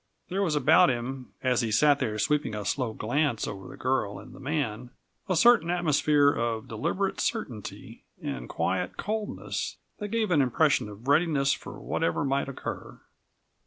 There was about him, as he sat there sweeping a slow glance over the girl and the man, a certain atmosphere of deliberate certainty and quiet coldness that gave an impression of readiness for whatever might occur.